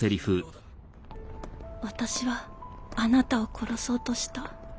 私はあなたを殺そうとした。